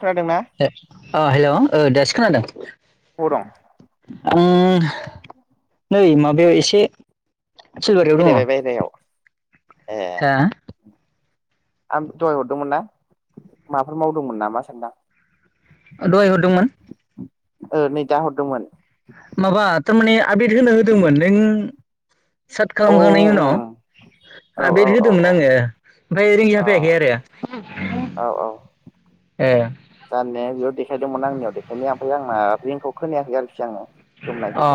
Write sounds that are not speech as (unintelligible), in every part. खोनादोंना हे अ हेल' ओ दासो खोनादों। अबाव दं आं नै मा ओ इसे फैलायबाय बायहारायाव हा ए आं दहय हरदोंमोन ना? माबाफोर मावदोंमोन नामा सानदां। ओ दहय हरदोंमोन। ओ नै दा हरदोंमोन। माबा तामाने आबदेत होनो होदोंमोन नों साट औ खालामखांनायनि उनाव औ आपडेट औ होदोंमोन औ आंङो ओमफाय रि अ जाफायाखै आरो ए जान्नाया बेयाव देखायदोंमोन आंनियाव देखायनाया ओमफाय आंना रिंखौ खोनायाखै आरोखि आंङो। अ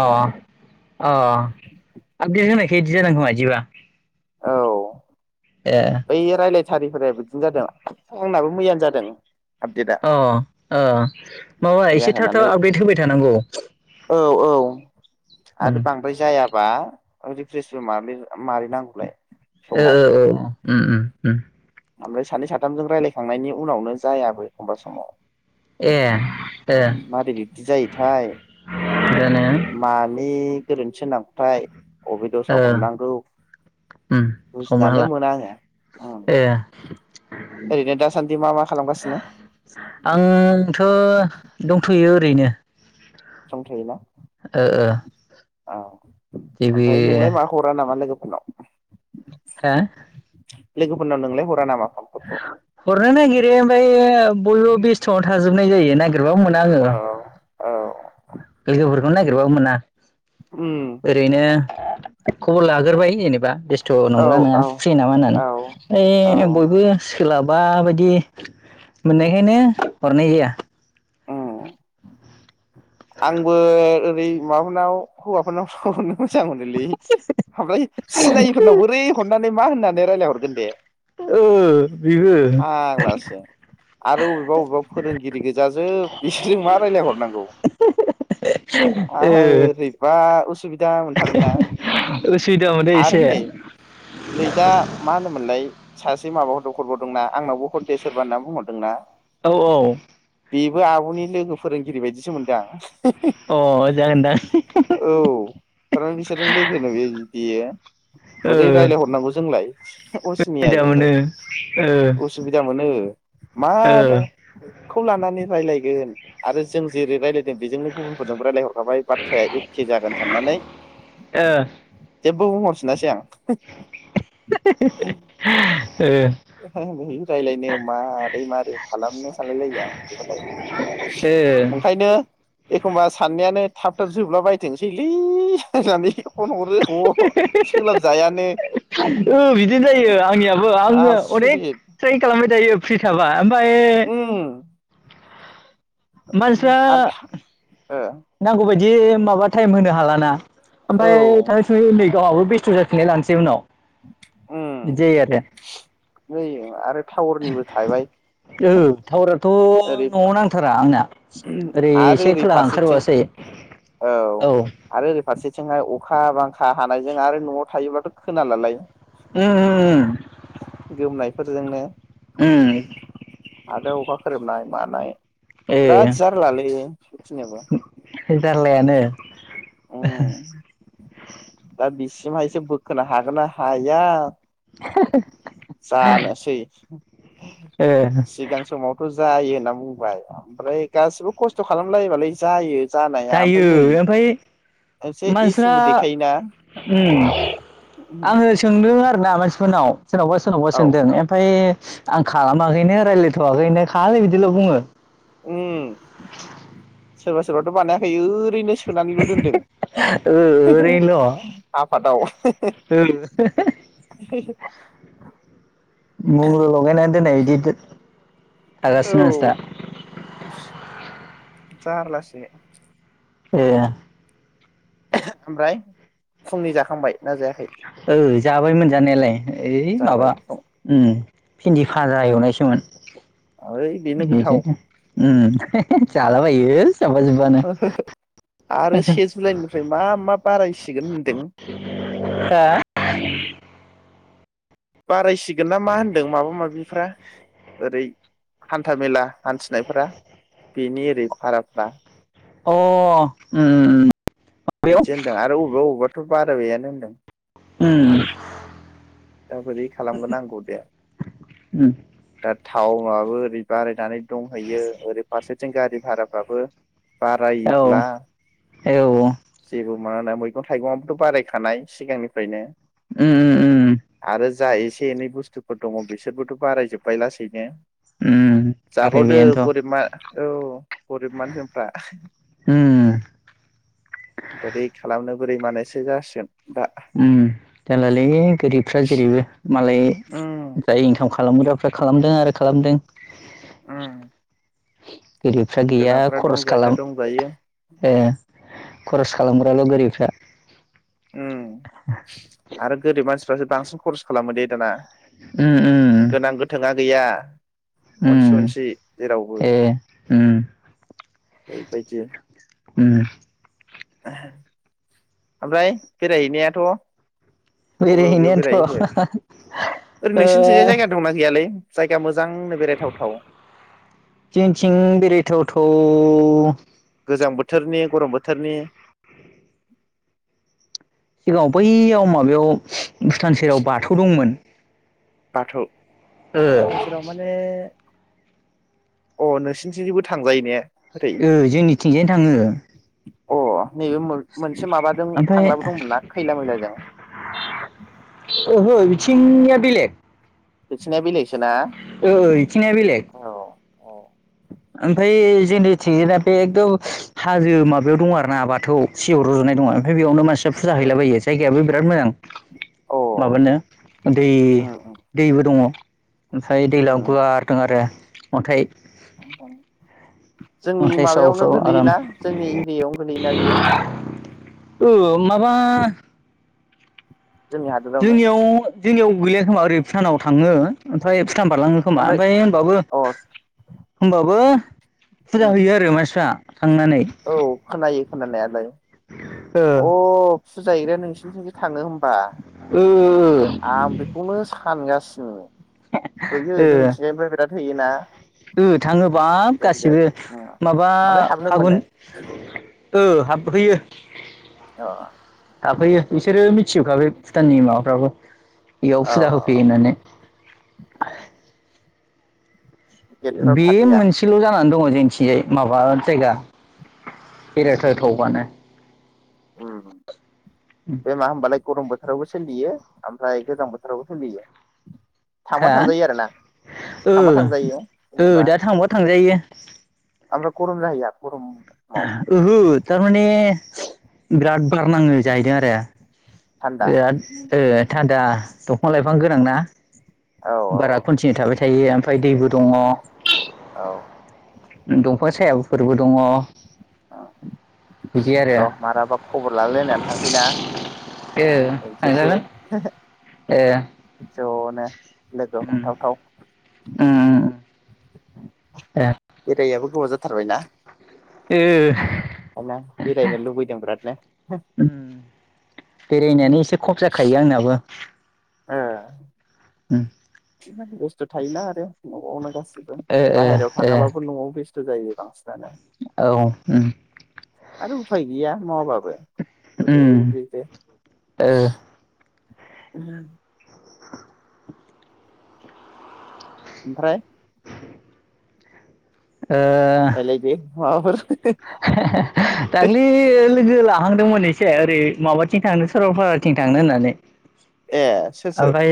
अ आपडेट होनाय केदि जानांगो खोमा इदिबा। औ। ए अ ओइ रायलाथ सारिफोराय बिदिनो जादों आंनाबो मैयानो जादों। आपडेटआ अ ओ माबा मैया एसे थाब थाव होनानै आपडेट होबाय थानांगौ। औ औ ओं रिफ्रेसबो मारलिन मारि नां। लाय ओ ओ ओ उम उम उम। आमफ्राय सानै साथामजों रायलायखांनायनि उनावनो जायाबो एखमबा समाव। ए ए मारै बिबदि जायोथाय दानो (inaudible) मानि गोरोनथिसो नामाथाय अबे ओ दस‌आव हमनांगौ उम हमनो बुजिनानै हाला मोना आङो ए ओरैनो दासान्दि मा मा खालामगासिनो आंथ' दंथ'यो ओरैनो सम थायो ना ओ ओ औ जेबो ओमफ्राय नोंलाय मा हरा नामा लोगो हेल' हो लोगोफोरनाव नोंलाय हरा नामा फनफोरखौ हरनो नागिरो ओमफ्राय बयबो बेस्थ'आव जायो ना जेबों मोना आङो औ औ लोगोफोरखौनो नागिरबाबो मोना उम ओरैनो खबर लाग्रोबाय बेस्थ' औ नंगौना नंया औ फ्रि नामा औ होननानै औ ऐ बयबो सोलाबा बायदि मोननायखायनो हरनाय जाया उम आंबो ओरै माबाफोरनाव हौवाफोरनाव सरनो मोजां मोनोलै ओमफ्राय सिनायैफोरनाव बोरै हरनानै मा होननानै दा रायलायहरगोन दे ओ बेबो फाग्लासो आरो अबेबा अबेबा फोरोंगिरि गोजाजोब बिसोरजों मा रायलायहरनांगौ ओ आं बोरैबा उसुबिदा मोनथारो ना उसुबिदा मोनो आरो एसे नै नै दा मा होनोमोनलाय सासे माबा हरबावदों ना आंनावबो हरदो सोरबा होनना बुंहरदों ना औ औ बेबो आब'नि लोगो फोरोंगिरि बायदिसो मोन्दों आं अ जागोनदां औ थारमानि बिसोरजों लोगो नोलै बियो बोरै ओ रायलायहरनांगौ जोंलाय असिनिया सुबिदा जोंलाय मोनो ओ उसुबिदा मोनो। मादा ओ खौ लानानै रायलायगोन आरो जों जेरै राय जों बेजोंनो गुबुनफोरजों रायज्लायहरखाबाय बाथ्राया एखे जागोन साननानै ओ जेबो बुंहरफिनासै आं। (unintelligible) (unintelligible) रायलायनो माबारै माबारै खालामनो सानलायलाय आं बिदिबाथाय ओ ओंखायनो एखमबा साननायानो थाब थाब जोबला बायथोंसैलै हि होनानै फन हरो ह सोलाबजायानो ओ बिदिनो जायो आंनियाबो आङो आस अनेक सै खालाम जायो फ्रि थाबा। ओमफाय उम मानसिफ्रा आरो नांगौबायदि दि माबा टाइम होनो हालाना ओ औ ओमफाय थाङै थुङै नै गावहाबो बेस्थ' जाफिननाय लानोसै उनाव। उम बिदि जायो आरो। नै आरो टावरनिबो थाबाय। थ' ओरै न'आव नांथार आंना ओरै आरो एसे ओरै खोलाहा फारसेथिं ओंखारबासो औ जायो औ आरो ओरै फारसेथिं थिंहाय अखा बांखा हानायजों आरो न'आव थायोबाथ' खोनालालाय उम उम गोमनायफोरजोंनो उम आरो अखा खोरोमनाय। मानाय ए बिराद जार्लालै सथिनोबो। (unintelligible) खालायानो। दा बिसिमहायसो बोखोनो हागोन ना हाया जानोसै ओ सिगां समावथ जायो होनना बुंबाय ओमफ्राय गासिबो खस्थ खालामलायोबालाय जायो जानाया ओमफ्राय जायो नै ओमफ्राय मोनसे मानसिफ्रा इसुबो देखायोना औ आङो सोंदों आरोोना मानसि सनाव सोरनावबा सोरनावबा सोंदों ओमफफ्राय आं खालामाखैनो रायज्लायथ'वाखैनो खालै बिदिल' बुङो। उ सोरबा सोरबाथ' बानायाखै ओ ओरैनो सोनानैल' दोनदों ओ ओरैनोल' आफादाव। ओ एद आरो औ रसिनि हास दा जारलासो ए ओमफ्राय फुंनि जाखांबाय ना जायाखै? ओ जाबाय मोनजानायालाय ओइ जाबाय माबा फुं ओम ओइ बेनो गोथाव बिदिनो उम जालाबायो जाबा जुब्बानो आरो से जुलाइनिफ्राय मा मा बारायसिगोन होनदों? (inaudible) बाराय मिसिगोन ना मा होन्दों माबा माबिफ्रा ओरै हान्थाामेला हान्थिनायफोरा बेनि ओरै भाराफ्रा अ ओम ओम बिसे होनदों आरो अबेबा अबेबा आथ' बारा बेैयानो होनदों। उम दा बोरै खालामग्र नांगौ दे उम दा थाव आबो ओरै बारायनानै दंहैयो ओरै फारसे फारसे गारि भाराफ्राबो औ बारायोब्ला औ जेबो मा होनो मैगं थाइगंयाबोथ' बारायखानाय सिगांनिफ्रायनो उम उम उम आरो जा एसे एनै बुस्थुफोर दङ बिसोरबोथ' बारायजोब्बाय लासैनो। म जाबावदो आरायबायानोथ' गरिब मा औ गरिब मानसिफ्रा उम बोरै खालामनो बोरै मानोसो जासिगोन दा। उम जारलालै गोरिबफ्रा जेरैबो। मालाय उम जाय ओंखाम खालामग्राफ्रा खालामदों आरो खालामदों। उम गोरिबफ्रा गैया गोनांफोरा खरस दंजायोना खालाम दंजायो ए खरस खालामग्राल' गोरिबफ्रा। उम आरो गोरिब मानसि फ्रासो बांसिन खरस खालामो दे दाना। उम उम गोनां गोथोंङा गैया। अनसि उम अनसि जेरावबो ए उम (unintelligible) उम (unintelligible) ओमफ्राय बेरायहैनायाथ बबे बबेयाव बेरायहैनायानोथ' बेरायहैखो ओरै नोंसिनिथिंजाय ओ जायगा दंना गैयालै जायगा मोजांनो बेरायथावथाव जोंनिथिं बेरायथाव थाव अ गोजां बोथोरनि गरम बोथोरनि याव बैयाव माबायाव भुटान सेराव बाथौ दंमोन। बाथौ ओ ओनसोलाव माने अ नोंसिनिथिंजैबो थांजायो ने? ओरै ओ जोंनिथिंजायनो थाङो। अ नैबे मो मोनसे माबाजों ओमफ्राय थांग्राबो दंमोनना खैला मैलाजों (inaudible) ओहो बिथिं निया बेलेग। बेथिंनिया बेलेग ओइ इथिंनिया बेलेग। ओमफाय जेनेथिंजायना बे गौ हाजो माबायाव दं आरोना बाथौ सिजौ रज'नाय दङ। ओमफाय बेयावनो मानसिया फुजा हैलाबायो जायगायाबो बिराद (unintelligible) मोजां औ माबानो दै दैबो दङ ओमफाय दैलाव गुवार दों आरो अन्थाइ (inaudible) जोंनि अन्थाइ साव माबायावनो साव आराम गोग्लैयोना जोंनि एरियायावनो गोलैयोना बियो? ओ माबा जोंनि हादोरावनो जोंनियाव जोंनियाव गैया खोमा ओरै भुटानाव थाङो ओमफाय (unintelligible) बारलाङो खोमा ओमफ्राय होमबाबो अ होमबाबो फुजा उम हैयो आरो मानसिफ्रा। थांनानै औ खोनायो खोनानायालाय। ओ अ (unintelligible) नोंसिनिथिंजो थांङो होम बा ओ आं बेखौनो सानगा (unintelligible) ओ होयोना ओ थाङो बा गिदिर गिदिर गासिबो माबा ओमफ्राय हाबनो मोनो फागुन ओ हाबहैयो। औ थाफैयो बिसोरो मिथिजोबखाबाय भुटाननि माबाफ्राबो। इयाव फुजा होफैयो औ होननानै। गेटफ्राव बे थाफैया मोनसेल' जानानै दङ मिन्थियै माबा जायगा। बेरायथावथावबानो उम बेे मा होमबालाय गरम बो थोरावबो सोलियो ओमफ्राय गोजां बोथोरावबो सोलियो। थांबा हा थांजायो आरो ना ओ थांबा थांजायो ओ जेनेबा दा थांबा थांजायो। (unintelligible) गरम जाहैया गरमाव ओहो थारमाने बिराद बार नाङो जाहैदों आरो। थान्दा बिराद ओ थानदा दंफां लाइफां गोनां ना? औ औ बारा कन्टिनिउ थाबाय थायिया फ्राय दैबो दंङ औ दंफां सायाफोरबो दंङ। औ र मालाबा खबर लाललायनानै थांसैना थांजागोन (unintelligible) ओ जनो लोगो हमथावथाव ओम ओम ए बेरायाबो गोबाव जाथारबायना। ओह आर ना बेरायनो लुबैदों बिरादनो उम बेरायनायानो एसे खम जाखायो आंनाबो ओ उम इ बस्थु थायो ना आरो (unintelligible) बो ओ ओ बाहेरायाव थाङाबाबो ओ नआव बेसे (unintelligible) जायो बांसिनानो औ उम आरो उफाय गैया मावाबाबो बोरैहाय उम बिदिसो ओ (unintelligible) ओमफ्राय ओ माफोर दाख्लै लोगो ला थांदोंमोन एसे ओरै माबाथिं थांनो सरलपाराथिं थांनो होननानै ए सोर सोर? ओमफ्राय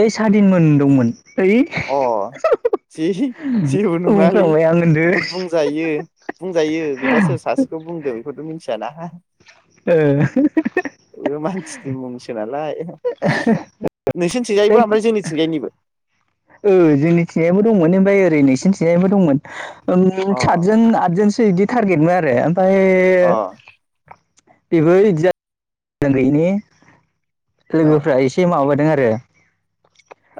ओइ सादिनमोन दंमोन ओइ अ जि जेबो नङालै बुंफ्लांबाय आं होनदो बुंजायो जायो बेबा सोर सासेखौ बुंदों बेखौथ मिथि जाला ओ बुंसो नालाय नोंसिन जाय थिंगायबो ओमफ्राय जोंनिथिंजायनिबो ओ जोंनि थिनायबो दंमोन ओमफ्राय ओरै नोंसिनि थिनायबो दंमोन अ सातजन आदजोन बिदि थटारगेटमोन आरो फाय अ बेबो इदिजा ब्रेनगैयिनि औ लोगोफ्रा एसे माबाय रोंआरो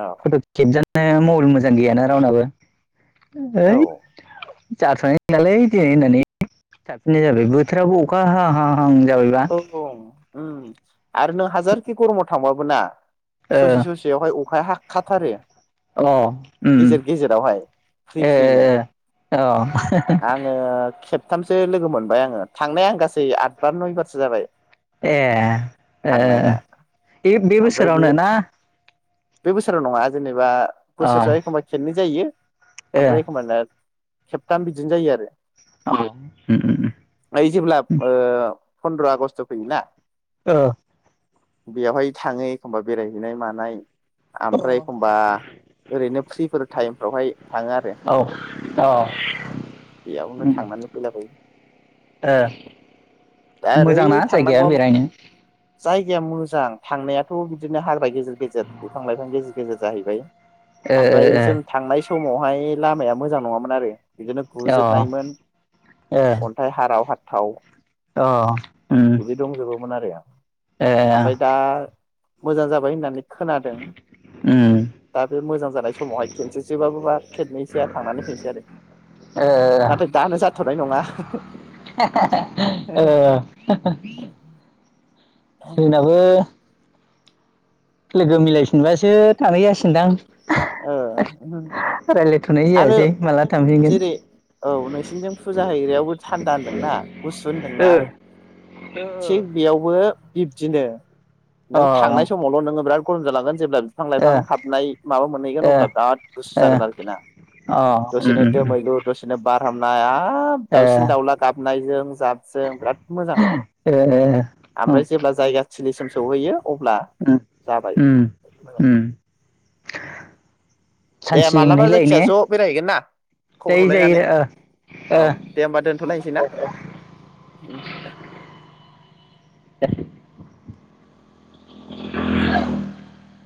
औ होदोब खेब जानो मबाइल मोजां गैयाना रावनाबो औ ओइ जाथ'नाय नंलालै दिनै होननानै थाफिननाय जाबाय बोथोराबो अखा हाहां हां जाबायबा औ उम आरो नों हाजारखि गर'माव थांबाबो ना ओ ससे-ससेयावहाय अखा खाथारो अ उम उम फ्रि फ्रिनो ए-ए-ए अ ओहो हो आङो खेबथामसो लोगो मोनबाय आंङो थांनाया आं गासै आतबार नयबार सो जाबाय ए ओ ओ थांनाया ओ बे-बे ओमफ्राय बेयो बोसोरावनो ना- था बे बोसोराव नंङा जेनेबा अ बोसोरसेयाव एखमबा खेबनै जायो? ए आमफ्राय एखमब्लालाय? खेबथाम बिदिनो जायो आरो अ उम उम ऐ जेब्ला ओ फन्द्र' आगष्ट' फैयोना? ओ बेवहाय थांङो एखमबा बेरायहैनाय मानाय आमफ्राय एखमबा ओरैनो फ्रिफोर टाइमफोरावहाय थाङो आरो औ औ बेयावनो ओ थांनानै फैलाबायो। दा ओरै मोजांना जायगाया थांनांगौआ बेरायनो? जायगाया मोजां थांनायाथ' बिब्दिनो हाग्रा गेजेर गेजेर-गेजेर बिफां-लाइफां गेजेर जाहैबाय आमफ्राय जों थांनाय सम समावहाय लामाया मोजां नंङामोन आरो बिदिनो ओ गुजोबनायमोन ओ अन्थाइ हाराव हाथा थाव अ उम आरो अ ए ओमफ्राय दा मोजां जाबाय होननानै खोनादों उम दा बे मोजां जानाय समावहाय खेनसेसोबाबो बा खेननैसोआ थांनानै फैनिसै आरो नाथाय ओ दानो जाथ'नाय नङा। (inaudible) (inaudible) (unintelligible) जोंनाबो लोगो मिलायफिनबासो थांनाय जासिगोनदां ओ रायलायथ'नाय आरो जायासै माला थांफिनगोन जेरै औ नोंसिनिजों फुजा हैग्रायावबो थान्दा होनदोंना गुसु होनदों ना ओ अ ओ थिग बेयावबो बिब्दिनो नों ओ थांनाय समावल नोङो बिराद (unintelligible) जेब्ला बिफां लाइफां हाब ओइ माबा मोनहैगोन अब्ला बिराट गुसु ओ जागोन आरोखि ना अ उम दसेनो उम उम दोमैलु दसेनो बार हाबनो हाया हाब ओ दावसिन दाउला गाबनायजों जाबजों बिराद मोजां ओ ओ ओमफ्राय जेब्ला जायगा थिलिसिम सहैयो अब्ला उम उम जाबाय उम उम दे सान्थि मालाबा मोनहैलायो जायखिया ने ज' बेरायहैगोन ना खबर जायो हरलायनानै जायो ओ औ ओ दे होनबा दोनथ'लायसै ना दे। (inaudible)